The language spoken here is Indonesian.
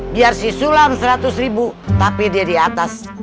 biar si sulam seratus ribu tapi dia di atas